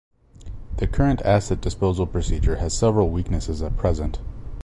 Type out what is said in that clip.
The current asset disposal procedure has several weaknesses at present.